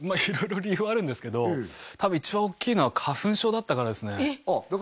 色々理由はあるんですけど多分一番大きいのは花粉症だったからですねあっ